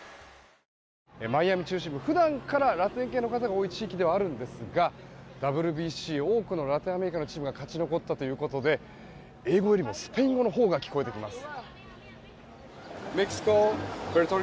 マイアミ中心部普段からラテン系の方が多い地域ではあるんですがＷＢＣ、多くのラテンチームが勝ち残ったということで英語よりもスペイン語のほうが聞こえてきます。